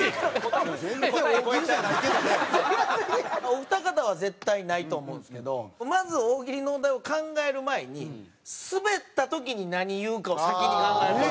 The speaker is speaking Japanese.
お二方は絶対ないと思うんですけどまず大喜利のお題を考える前にスベった時に何言うかを先に考えるのが。